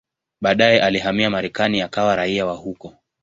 Baadaye alihamia Marekani akawa raia wa huko.